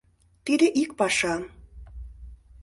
Тиде ик пашам.